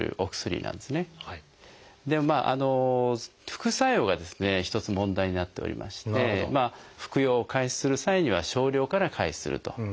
副作用がですね一つ問題になっておりまして服用を開始する際には少量から開始するということが大事。